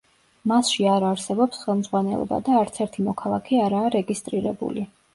მასში არ არსებობს ხელმძღვანელობა და არც ერთი მოქალაქე არაა რეგისტრირებული.